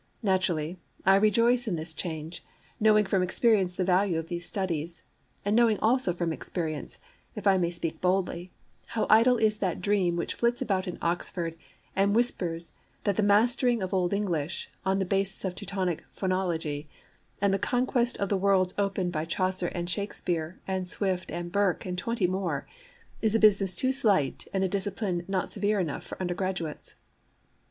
Naturally I rejoice in this change, knowing from experience the value of these studies; and knowing also from experience, if I may speak boldly, how idle is that dream which flits about in Oxford and whispers that the mastering of Old English, on the basis of Teutonic phonology, and the conquest of the worlds opened by Chaucer and Shakespeare and Swift and Burke and twenty more, is a business too slight and a discipline not severe enough for undergraduates.